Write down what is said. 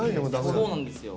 そうなんですよ。